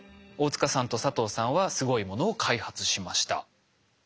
大塚さんと佐藤さんはすごいものを開発しました。